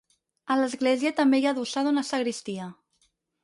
A l'església també hi ha adossada una sagristia.